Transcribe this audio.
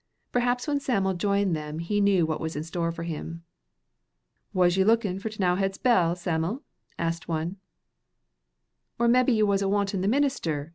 Perhaps when Sam'l joined them he knew what was in store for him. "Was ye lookin' for T'nowhead's Bell, Sam'l?" asked one. "Or mebbe ye was wantin' the minister?"